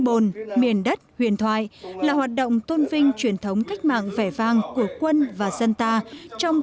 bồn truyền thoại là hoạt động tôn vinh truyền thống cách mạng vẻ vang của quân và dân ta trong